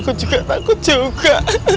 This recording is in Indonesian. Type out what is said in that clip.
aku juga takut juga